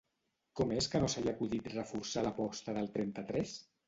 Com és que no se li ha acudit reforçar l'aposta del trenta-tres?